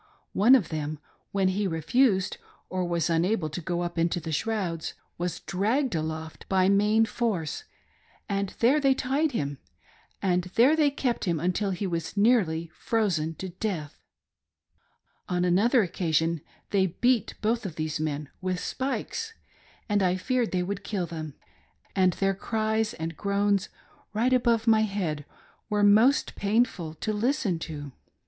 One of them when he refused or was unable to go up into the shrouds, was dragged aloft by main force, and there they tied him, and there they kept him until he was nearly frozen to death, On another occasion they beat both of these men with spikes, and I feared they would kill them, and their cries and groan? right above my head were most painful to listen to.